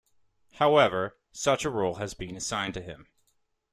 However, such a role has been assigned to him.